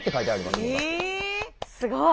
すごい！